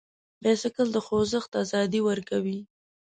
بایسکل د خوځښت ازادي ورکوي.